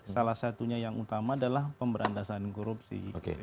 salah satunya yang utama adalah pemberantasan korupsi